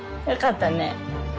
よかったね。